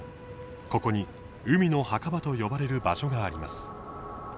ここに、海の墓場と呼ばれる場所があります。